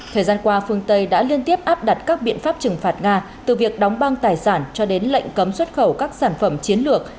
thời gian qua phương tây đã liên tiếp áp đặt các biện pháp trừng phạt nga từ việc đóng băng tài sản cho đến lệnh cấm xuất khẩu các sản phẩm chiến lược